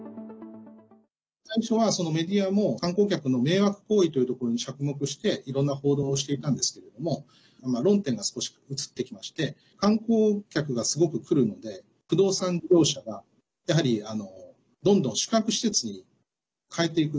最初はメディアも、観光客の迷惑行為というところに着目していろんな報道をしていたんですけれども論点が少し移ってきまして観光客が、すごく来るので不動産事業者が、やはりどんどん宿泊施設に変えていく。